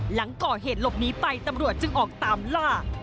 หลังก่อเหตุหลบหนีไปตำรวจจึงออกตามล่า